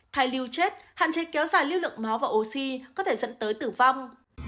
thai lưu chết hạn chế kéo dài lưu lượng máu và oxy có thể dẫn tới tử vong